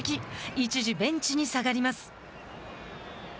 一時、ベンチに下がります。